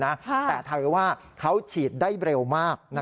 ผมถึงว่าเทศไทยเขาฉีดได้เร็วมาก